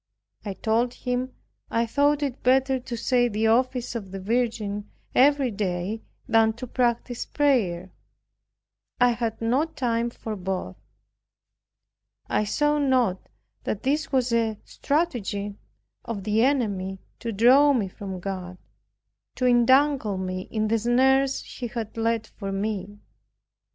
I told him I thought it better to say the office of the Virgin every day than to practice prayer; I had not time for both. I saw not that this was a stratagem of the enemy to draw me from God, to entangle me in the snares he had laid for me.